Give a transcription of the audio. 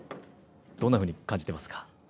どんなふうに感じていますか。